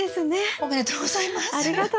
ありがとうございます。